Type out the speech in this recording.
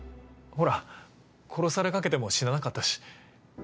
ほら殺されかけても死ななかったし。